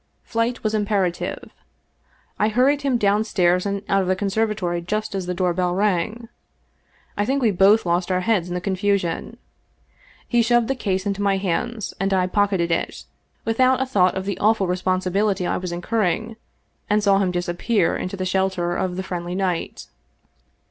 Flight was imperative. I hurried him downstairs and out of the conservatory just as the door bell rang. I think we both lost our heads in the confusion. He shoved the case into my hands, and I pocketed it, without a thought of the awful responsi bility I was incurring, and saw him disappear into the shel ter of the friendly night.